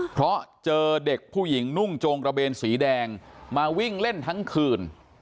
เพราะเจอเด็กผู้หญิงนุ่งโจงระเบนสีแดงมาวิ่งเล่นทั้งคืน